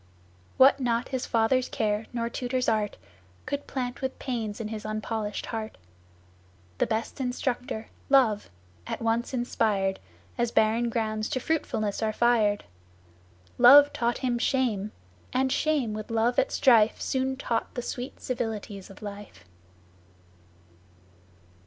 "What not his father's care nor tutor's art Could plant with pains in his unpolished heart, The best instructor, Love, at once inspired, As barren grounds to fruitfulness are fired. Love taught him shame, and shame with love at strife Soon taught the sweet civilities of life."